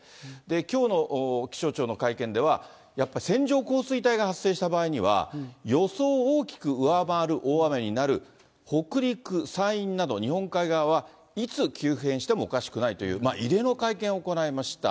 きょうの気象庁の会見では、やっぱ線状降水帯が発生した場合には、予想を大きく上回る大雨になる北陸、山陰など日本海側は、いつ急変してもおかしくないという、異例の会見を行いました。